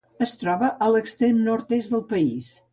Es troba a l'extrem nord-est del país.